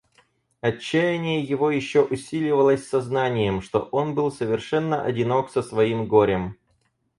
Отчаяние его еще усиливалось сознанием, что он был совершенно одинок со своим горем.